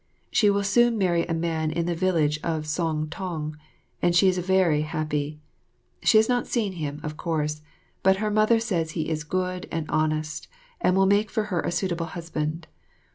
She will soon marry a man in the village of Soong tong, and she is very happy. She has not seen him, of course, but her mother says he is good and honest and will make for her a suitable husband.